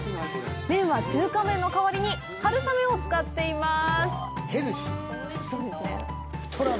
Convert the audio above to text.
麺は中華麺の代わりに春雨を使っています。